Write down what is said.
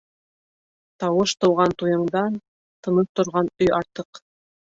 Тауыш тыуған туйыңдан Тыныс торған өй артыҡ.